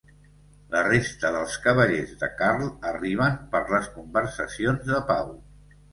La resta dels cavallers de Karl arriben per les conversacions de pau.